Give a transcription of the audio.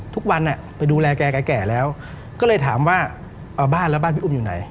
ทุกวันไปดูแลแกแก่แล้วก็เลยถามว่าเอาบ้านแล้วบ้านพี่อุ้มอยู่ไหน